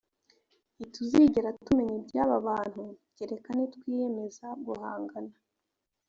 ntituzigera tumenya ibyaba bantu kereka nitwiyemeza guhangana